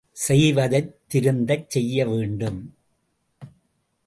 செய்வதைத் திருந்தச் செய்ய வேண்டும்!